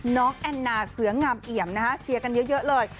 น้องแอนนาเสื้องามเหยียมนะคะเชียร์กันเยอะเลย